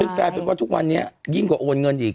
กลายเป็นว่าทุกวันนี้ยิ่งกว่าโอนเงินอีก